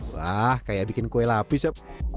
wah kayak bikin kue lapis yap